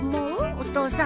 お父さん。